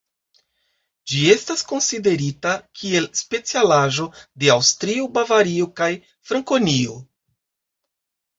Ĝi estas konsiderita kiel specialaĵo de Aŭstrio, Bavario, kaj Frankonio.